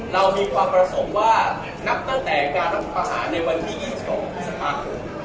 เรามีความประสงค์ว่านับตั้งแต่การรัฐประหารในวันที่๒๒พฤษภาคม